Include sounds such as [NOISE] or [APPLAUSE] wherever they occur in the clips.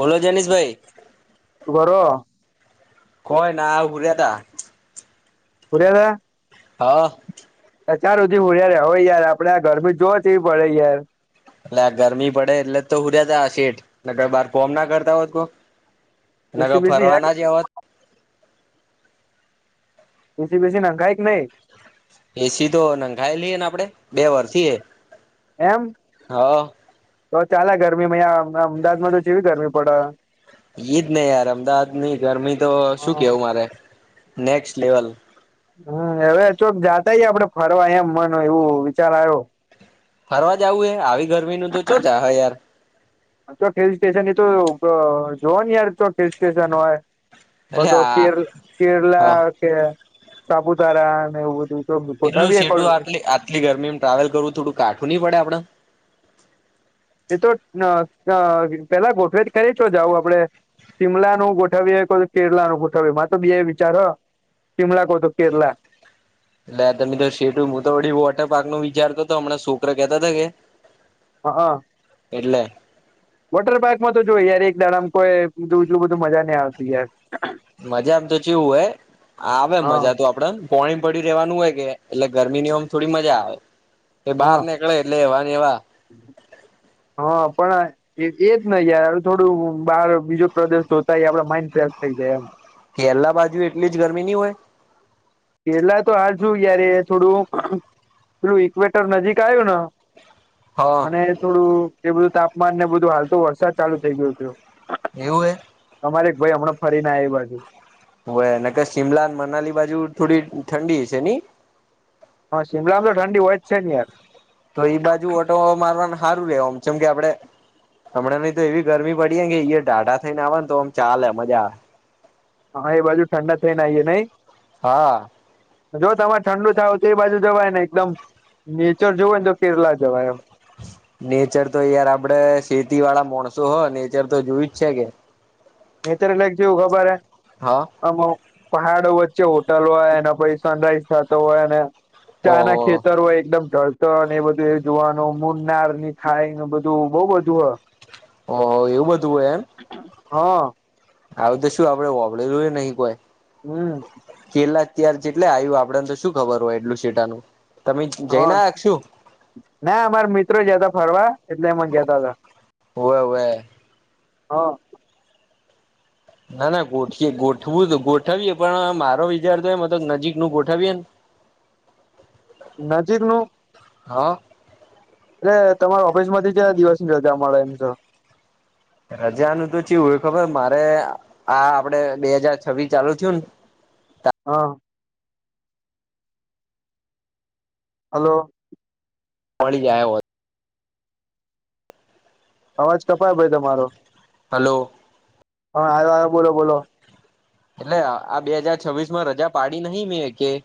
બોલો જૈનીશ ભાઈ ઉભા રો કોઈના હુયા તા હુયા તા! હ અ ચાર સુધી હુયા રેવો યાર આપડે આ ગરમી જોવ કેવી પડે યાર અલા એટલે આ ગરમી પડે એટલે તો હુયા તા આ શેઠ ને બાર કોમના કરતા હોત તો અને તો એસી બેસી હે ફરવાના જીયા હોત એસી બેસી નાખાય કે નય? એસી તો નખાયલીએ ને આપડે બે વરથી એ. એમ હ. તો ચાલે ગરમી અં અમદાવાદ માં તો જેવી ગરમી પડે હ. ઈ જ નહ યાર અમદાવાદ ની ગરમી તો શું હમ કેવું મારે! Next level. હમ્મ હવે કોક જાતા આપડે ફરવા એમ મન એવું વિચાર આવ્યો. ફરવા જવું એ આવી ગરમી નું તો ચો ચ હ યાર. ચક હિલ સ્ટેશન એ તો જોવા યાર તો હિલ સ્ટેશન હોય. એટલે બધો આ કેર હા કેરલા કે સાપુતારા ને એવું બધું. તો એટલું ગોઠવીએ કોલ સેટું આટલી આટલી ગરમી ટ્રાવેલ કરવું થોડું કાઠવું નહ પડે આપડે! એ તો પેલા ગોઠવેટ કરી છો જાવ આપડે. શિમલા નું ગોઠવીએ કે કેરલા નું ગોઠવીએ મા તો બે વિચાર હ. શિમલા કહતો કેરલા. એટલે તમે તો શેટુ મુ તો વડી વોટર પાર્ક નું વિચારતો તો હમણાં શોકરા કેહતા હતા કે હ. એટલે. વોટર પાર્કમાં તો જો યાર એક દાડામ કોઈ બીજુ એટલું બધું મજા ન આવતી યાર. મજામ તો ચેવું હોય આવે હા મજા તો આપડન. પોણીમ પડી રેવાનું હોય કે એટલે ગરમીની ઓમ થોડી મજા આવે. એ બાર હા નેકળે એટલે એવા ન એવા. હા પણ એ જ ને યાર. થોડું બહાર બીજો પ્રદેશ જોતા યે આપડ માઈન્ડ ફ્રેશ થઈ જાય એમ. કેરલા બાજુ એટલી જ ગરમી ની હોય? કેરલા તો હાલ શું યાર એ થોડું પેલું ઈક્વેટર નજીક આયુ ન હા અને થોડું એ બધું તાપમાનને બધું હાલ તો વરસાદ ચાલુ થઇ ગયો તો. એવું હે. અમાર એક ભઈ હમણાં ફરી ન આયા એ બાજુ. હોવે. ન ક શિમલા ન મનાલી બાજુ થોડી ઠંડી હશે ની? હન, શિમલામ તો ઠંડી હોય જ છે ન યાર. તો ઈ બાજુ ઓટો મારવામ સારું રે ઓમ ચમ કે આપડે હમણાંની તો એવી ગરમી પડી હેન કે ઇય ઢાઢા થઈન આવન તો આમ ચાલે મજા. હન, એ બાજુ ઠંડા થઈન આઈયે નઈ. હા જો તમાર ઠંડુ થાવુ તો એ બાજુ જવાય ને એકદમ નેચર જોવુ હોય ન તો કેરલા જવાય એમ. નેચર તો યાર આપડે શેતી વાળા માણસો હો નેચર તો જોયુ જ છે કે. નેચર લાઈક ચેવુ ખબર હે. હા આમો પહાડો વચ્ચે હોટલ હોય, એના પહી સનરાઈઝ થાતો હોય ને ચાના ઓહ ખેતર હોય, એકદમ ઢળ ત ને એ બધું એવુ જોવાનું મુનારની ખાઈ ને બધુ બઉ બધું હ. અ એવું બધું હોય એમ? હઅ. આવું તે શું આપડે હોભળેલુય નહી કોઈ હમ. એટલે અત્યાર ચેટલે આયુ આપડે ન તો શું ખબર હોય એટલું સેટાનું તમે જઈ હા ન આયા ક શું? ના, માર મિત્ર જયાતા ફરવા એટલે મન કેતા તા. હોવે હોવે. હન. ના, ના, ગોઠએ ગોઠવું તો ગોઠવીએ પણ મારો વિચાર તો એમ હતો ક નજીકનું ગોઠવીએ ન [INAUDIBLE] નજીક નું હઅ. એટલે તમાર ઓફિસમાંથી ક્યા દિવસની રજા મળે એમ શ. રજાનું તો ચેવું હોય ખબર મારે આ આપડે બે હજાર છવી ચાલુ થયું ન હન. હલો. મળી જાય હોય. અવાજ કપાયો ભાઈ તમારો. હલો. હઅ, આયો આયો બોલો બોલો. એટલે આ બે હજાર છવ્વીસમાં રજા પાડી નહિ મે એકેય.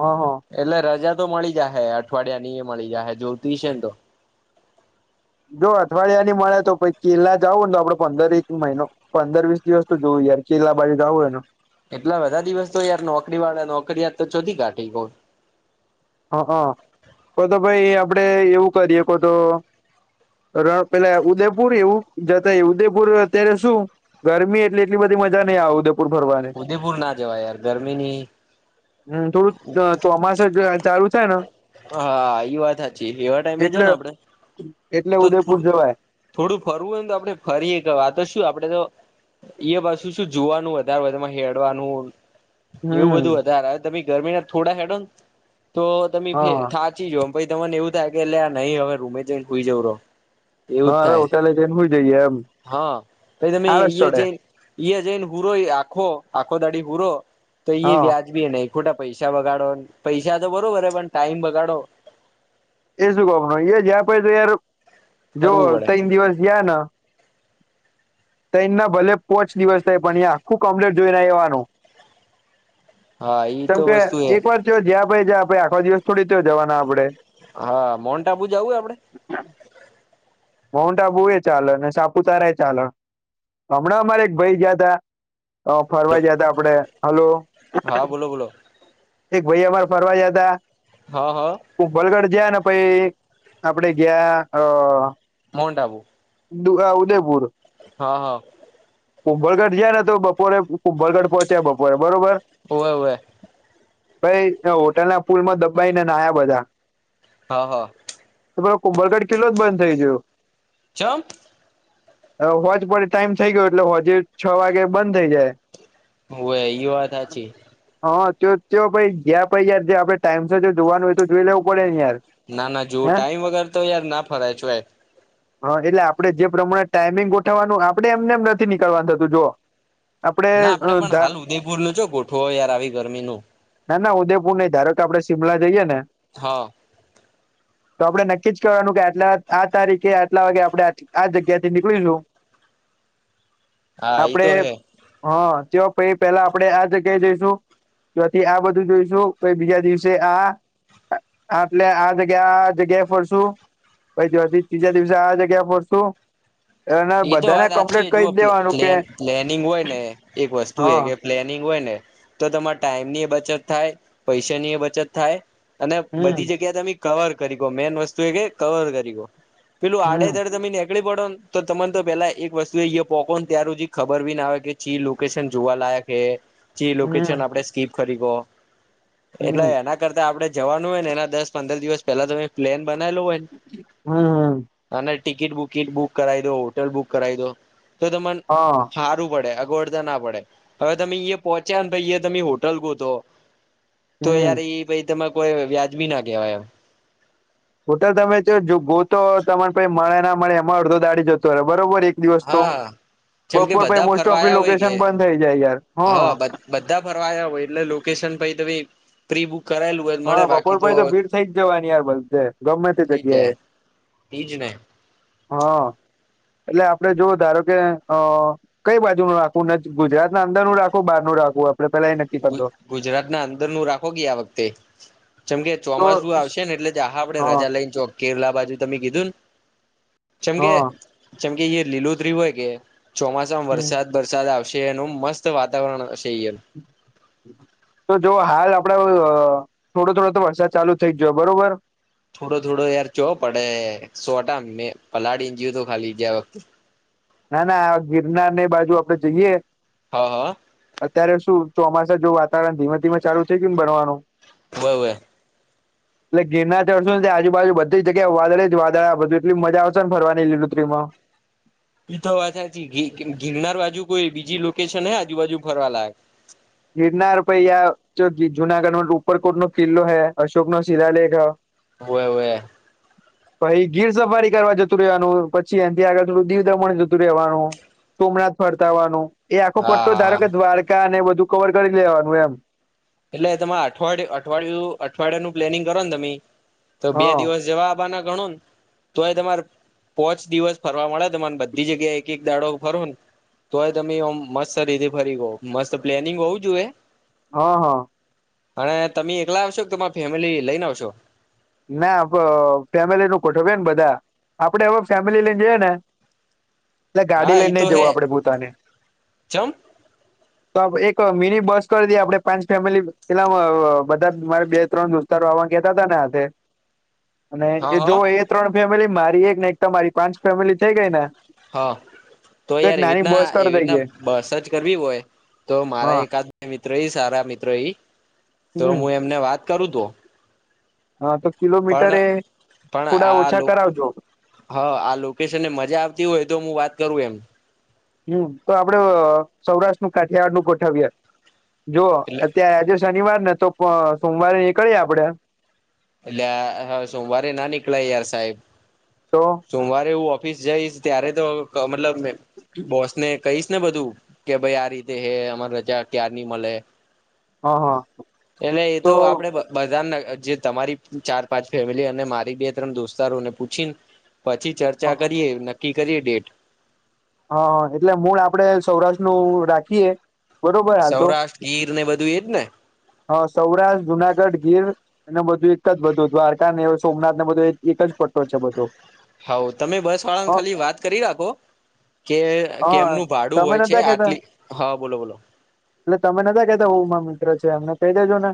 હા હા એટલે રજા તો મળી જાહે અઠવાડિયાનીય મળી જાહે જોતી હશે ને તો. જો અઠવાડિયાની મળે તો પહી કેરલા જાવું ન તો આપડે પંદર એક મહિનો પંદર-વીસ દિવસ તો જોય યાર કેરલા બાજુ જાવું એ નો. એટલા બધા દિવસ તો યાર નોકરીવાળા નોકરી યાત તો ચોધી કાઢે ઈવો હન, હન કો તો પહી આપડે એવું કરીએ કો તો ર પેલા ઉદયપુર એવું જતાય. ઉદયપુર અત્યારે શું ગરમી એટલે એટલી બધી મજા નઈ આવે ઉદય ઉદેપુર ના જવાય યાર ગરમીની હમ થોડું ચોમાસ જ ચાલુ છે હા એ વાત સાચી એવા ટાઈમે જ એટલે ને આપડે એટલે તો ઉદયપુર થોડું જવાય ફરવું હોયને તો આપડણે ફરીએ ક આ તો શું આપડે તો એ પાછુ શું જોવાનું વધારે બામાં હેડવાનું એવું હમ બધું વધારે તમે ગરમી ના થોડા હેડો ને તો તમે હા ખાંચી જ પાઈ તમને એવું થાય કે એટલે આ નહી હવે રૂમે જઈને ખઈ જવું રહો એવું જ હા હવે થાય હોટેલે જઈને હોય જાય હા પ તમે જ ચડે જઈને હુરો આખો ઓ દાડી હુરો તો એ હા વ્યાજ બી અને કુટા પૈસા બગાડો પૈસા તો બરોબર હ પણ ટાઈમ બગાડો એ શું કનું એ જયા પ તો યાર જો ફરવું પડે ત્રન દિવસ જયા ને [INAUDIBLE] તૈ ના ભલે પોચ દિવસ થાય પણ યાં ખું કમ્પ્લેટ જોઈને એવાનું હા ઈ કેમ તો કે વસ્તુ એ એક વાર તો જયા ભાઈ જ્યા ભાઈ આખો દિવસ થોડી ત જવાના આપડે હા મોનન્ટાબુ જાવું આપડે માઉન્ટ આબુ એ ચાલ અને સાપુતારા એ ચાલ હમણાં અમારે એક ભાઈ ગયા તા હ ફરવાઈ જયા તા આપડે હલો હા બોલો બોલો એક ભાઈ અમાર ફરવા જયાતા હા હા હું વલગઢ જયા ને પાઈ આપડે ગયા અ માઉન્ટ આબુ દુગા ઉદયપુર હા હા કુંભરગઢ જયા ને તો બપોરે કુંભરગઢ પહોંચ્યા બપોરે બરોબર હોવે હોવે ભાઈ હોટલ ના ફૂલમાં દબાઈને નાયા બધા હા હા કુંભરગઢ કિલ્લો જ બંધ થઈ ગયો ચમ હોજ પડે ટાઈમ થઇ ગયો એટલે હોજ છ વાગે બંધ થઇ જાય હોવે એ વાત સાાચી હા તો ચ ભાઈ ગયાં પાઈ યાર આપણે ટાઈમ જોવાનું હોય તો જોઈ લેવું પડે ને યાર ના ના જોવ હે ટાઈમ વગર તો યાર ના ફરાય છે હા એટલે આપડણે જે પ્રમાણે ટાઈમિંગ ગોઠવવાનું આપડે એમનેમ નથી નીકળવાનું થતું જોઓ ના આપડે પણ હાલ ઉદયપુર નું છો ગોઠવો યાર આવી ગરમીનું ના ના ઉદેપુર નઈ ધારો આપડે સિમલા જઈએ ને હા તો આપડે નક્કી જ કરવાનું કે આટલા આ તારીખ કે આટલા વાગે આપડે આ જગ્યા થી નીકળીશું હા ઈ આપડે તો હે હા ચ પ પેલા આપણેે આ જગ્યાએ જઈશું તોથી આ બધું જોઈશું કેઈ બીજા દિવસે આ આટલે આ જગ્યા આ જગ્યા ફર શું પવાથી ત્રીજા દિવસે આ જગ્યા ફરશુ એ તો વાત સાચી જુઓ કે પ્લેનિંગ હોય ને એક વસ્તુ એ હા કે પ્લેનિંગ હોય ને તો તમારે ટાઈમ ની બચત થાય પૈસાની એ બચત થાય અને હમ બધી જગ્યા તમે કવર કરી ગો મેન વસ્તુ એ કે કવર કરી ગો પેલું હમ આડેધડે તમે નેકળી પડોન તો તમને તો પેલા એક વસ્તુ એ પોકોન ત્યાર હી ખબર બી ના આવે કે ચી લોકેશન જોવા લાયક હે જે હમ લોકેશન આપણે સ્કીપ કરી ગ એટલે હમ એના કરતા આપડે જવાનું હોય ને એના દસ પંદર દિવસ પહેલા તોમે પ્લેન બનાલું હોયને હમ અને ટિકિટ બુકીટ બુક કરાવી દો હોટેલ બુક કરાવી દો તો તને હા સારું પડે ગોડતા ના પડે હવે તમે અ પોહોંચ્યા નેયા તમે હોટલ ગોતો તો હમ યાર પાઈ તમે કોઈ વ્યાજબી ના કેહેવાય એમ બટલ તમે જો ગોતો તને પ મળે ના મળે એમાં અડધો દાઢડી જતો હો બરોબર એક દિવસ તો હા જેમ કે બપોર પછી બધા મોસ્ટ ઓફ ફરવાયા હોય કે લોકેશન બંધ થઈ જાય યાર હ હા બધા ફરવાયા હોય એટલે લોકેશન પ પ્રિભુ હા બપોરભાઈ તો ભીડ થઈ જ જવાની યાર બ ગમે તે જગ્યા જાય એ એ જ ને એટલે આપડે જોવ ધારો કે અ કઈ બાજુ ન રાખવું ગુજરાત ના અંદર નું રાખવું બહાર નું રાખવું આપડે પેલા એ નક્કી કરતો ગુજરાત ના અંદર નું રાખો ગ આ વખતે જેમ કે તો ચોમાસું આવશે ને એટલે આા આપડે હા રજા લઈને ચો કેરલા બાજુ તમે કીધું ને જેમકે હા જેમકે એ લીલુંત્રી હોય કે ચોમાસામાં તો વરસાદ વરસાદ આવે શે એનું મસ્ત વાતાવરણશે એનું હ તો જો હાલ આપડે થોડો થોડો તો વરસાદ ચાલુ થઈ જ જોયો બરોબર થોડો થોડો યાર ચો પડે સોટ મેં પલાળ ને ગું તો ખાલી જ વખતે ના ના આ ગિરનાર ની બાજુ આપડે જઈએ હા હા અત્યારે શું ચોમાસા જો વાતાવરણ ધીમે ધીમે ચાલુ થઈ કે ભણવાનું હોવે હોવે એટલે ગીરના ચઢશો ને આજુબાજુ બધી જગ્યા વાદળી જ વાદળ આ બધું એટલી મજા આવશેને ફરવાની લીલુંતરીમાં હ તો ગિરનાર બાજુ કોઈ બીજી લોકેશન હ આજુબાજુ ફરવા લાયક ગિરનાર પાઈ જુનાગઢ ન ઉપરકોટ નો કિલ્લો હૈ અશોક નો શિલાલેખ હ હોવે હોવે પછ ગીર સફારી કરવા જતું રહેવાનું પછી એથી આગળ થોડું દીવ દમણ જતું રહેવાનું સોમનાથ ફર્તાવાનું એ આખો હા પટ્ટો હા ધારો હા કે દ્વારકા ને એ બધું કવર કરી લેવાનું એમ એટલે તમા અઠવાડય અઠવાડિયું અઠવાડિયા નું પ્લેનિંગ કરો ને તમે તો બે હા દિવસ જવા આપ બાા ના ગણું તો એ તમારે પોચ દિવસ ફરવા મળે તમાને બધી જગ્યાએ એક એક દાડો ફરો ને તોય તમે મસ્ત રીતે ફરી ગો મસ્ત પ્લેનિંગ હોવું જોઈએ હા હા અને તમે એકલા આવશો કે તમારી ફેમિલી લઈને આવશો ના ફેમિલી નું ગોઠવ ને બધા આપડે હવે ફેમિલી લઈને જઈએ ને એટલે ગાડી હા એ લઈને તો નઈ જવું હે આપડે પોતાને ચમ તો એક મિની બસ કરી દઈએ આપડે પાંચ ફેમિલી પેલા બધા મારે બે ત્રણ દોસ્તારો પણ કેતા હતા ને [UNINTELLIGIBLE] અને હા એ હા જોવ એ ત્રણ ફેમિલી મારી એક ને એક તમારી પાંચ ફેમિલી થઈ ગઈ ને હા તો એક યાર એવી નાની રીતના બસ એવી કરી રીતના દઈએ બસજ કરવી હોય તો મારા હા એકાદ બે મિત્રઈ સારા મિત્રઈ તો હમ હું એમને વાત કરું તો હા તો પણ કિલોમીટર એ પણ થોડા આ ઓછા લોક કરાવજો હા આ લોકેશને મજા આવતી હોય તો હું વાત કરું એમ હમ તો આપડે સૌરાષ્ટ્રનું કાઠિયાિયાડ નું ગોઠવીએ જો એટલે અત્યારે આજે શનિવાર ને તો સોમવારે નીકળીએ આપણેે અલ્યા હ સોમવારે ના નીકળાય યાર સાહેબ તો સોમવારે એવું ઓફિસ જઈશ ત્યારે તો ક મતલબ બોસને કહીશ ને બધું કે ભાઈ આ રીતે હે અમારી રજા ક્યારની મળે હા હા અલ્યા એતો તો આપડે બ બધા જે તમારી ચાર પાંચ ફેમિલી અને મારી બે ત્રણ દોસ્તારોને પૂછીને પછી ચર્ચા હા કરીએ, નક્કી કરીએ ડેટ હા એટલે મૂળ આપડે સૌરાષ્ટ્ર નું રાખીએ. બરોબર સૌરાષ્ટ્ર ગીર ને બધું એજ ને. હા સૌરાષ્ટ્ર, જુનાગઢ, ગીર ને બધું એક જ બધું દ્વારકા ને સોમનાથ ને બધું એ એક જ પટ્ટો છે બધો હાવ તમે હ બસવાળાને ખાલી વાત કરી રાખો. કે હા કેમનું ભાડું તમે હોય છે નતા કેતા આટલી હા બોલો બોલો એટલે તમે નતા કેતા હું મારો મિત્ર છે એમને કહી દેજો ને.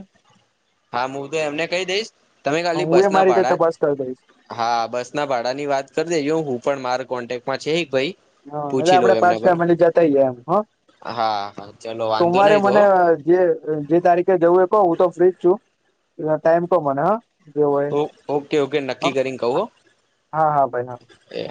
હા મુ તો એમને કહી દઈશ તમે ખાલી હું એ બસના મારી રીતે ભાડા તપાસ કરી દઈશ હા બસના ભાડાની વાત કરી દેજો, હું પણ મારા કોન્ટેક્ટમાં છે એક ભાઈ હા એટલે પૂછી લઉ આપડે એમને પાંચ પર ફેમિલી જતા આઇયે એમ હ. હા હા ચલો વાંધો સોમવારે નહી મને તો જે જે તારીખે જવું એ કો હું તો ફ્રી જ છું, એટલે ટાઈમ કો મને હ. જે હોય હ ઓકે ઓકે નક્કી હા કરીને કહું હો હા હા ભાઈ હા એ